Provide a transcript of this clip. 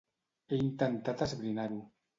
He intentat esbrinar-ho.